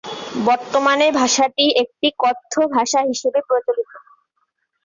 বর্তমানে ভাষাটি একটি কথ্য ভাষা হিসেবে প্রচলিত।